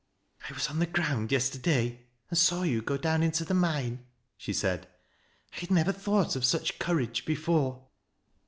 " I was on the ground yesterday, and saw you go down mto the mine," she said. " I had never thought of sucL courage before."